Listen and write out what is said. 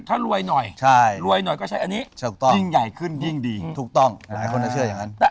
ถ้ารวยหน่อยรวยหน่อยก็ใช้อันนี้ยิ่งใหญ่ขึ้นยิ่งดีถูกต้องหลายคนจะเชื่ออย่างนั้น